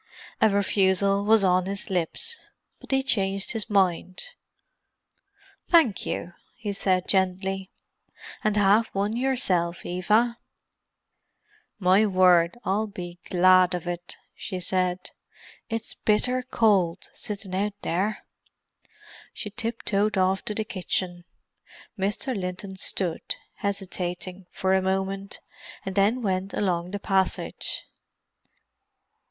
A refusal was on his lips, but he changed his mind. "Thank you," he said gently. "And have one yourself, Eva." "My word, I'll be glad of it," she said. "It's bitter cold, sittin' out there." She tip toed off to the kitchen. Mr. Linton stood, hesitating, for a moment, and then went along the passage.